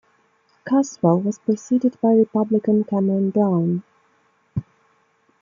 Caswell was preceded by Republican Cameron Brown.